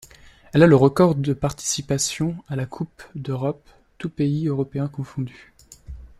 Elle a le record de participation à la Coupe d'Europe tout pays européen confondu.